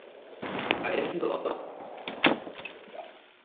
আর এসব শুধু অলঙ্কাকার না, পুনামের জন্য তাদের আশির্বাদ।